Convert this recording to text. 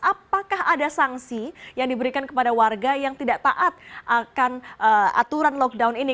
apakah ada sanksi yang diberikan kepada warga yang tidak taat akan aturan lockdown ini